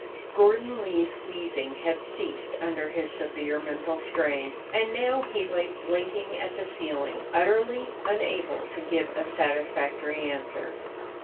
Gordon Lee's wheezing had ceased under his severe mental strain, and now he lay blinking at the ceiling, utterly unable to give a satisfactory answer.